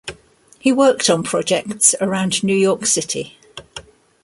He worked on projects around New York City.